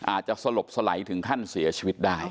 อาจจะสลบสไหลถึงขั้นเสียชีวิตได้